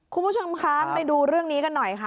คุณผู้ชมคะไปดูเรื่องนี้กันหน่อยค่ะ